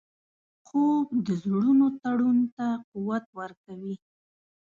خوب د زړونو تړون ته قوت ورکوي